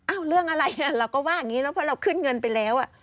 เรื่องอะไรเราก็ว่าอย่างนี้แล้วเพราะเราขึ้นเงินไปแล้ว